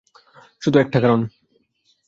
শুধু একটা কারন।